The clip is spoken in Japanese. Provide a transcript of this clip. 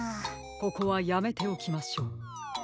ここはやめておきましょう。